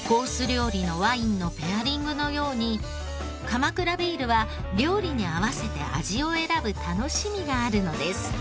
料理のワインのペアリングのように鎌倉ビールは料理に合わせて味を選ぶ楽しみがあるのです。